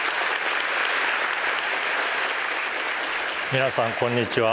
皆さんこんにちは。